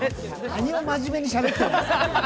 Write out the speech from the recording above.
何を真面目にしゃべってるんですか。